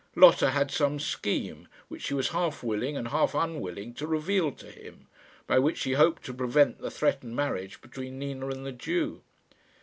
Lotta had some scheme, which she was half willing and half unwilling to reveal to him, by which she hoped to prevent the threatened marriage between Nina and the Jew.